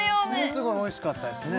すごいおいしかったですね